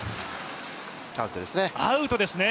アウトですね。